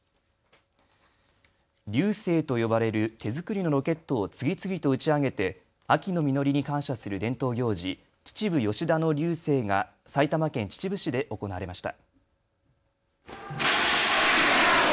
龍勢と呼ばれる手作りのロケットを次々と打ち上げて秋の実りに感謝する伝統行事、秩父吉田の龍勢が埼玉県秩父市で行われました。